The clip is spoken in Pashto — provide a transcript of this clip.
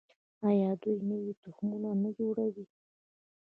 آیا دوی نوي تخمونه نه جوړوي؟